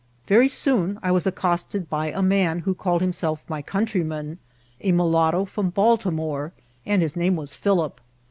Very soon I was accosted by a man who called himself my countryman, a mulatto from Baltimore, and his name was Philip.